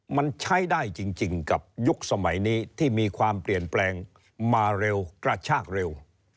มันใช้ได้จริงกับยุคสมัยนี้ที่มีความเปลี่ยนแปลงมาเร็วกระชากเร็ว